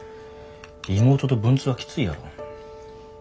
妹と文通はきついやろ。